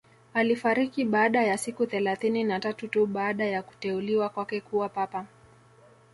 Alifariki baada ya siku thelathini na tatu tu baada ya kuteuliwa kwake kuwa papa